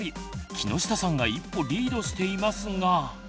木下さんが一歩リードしていますが。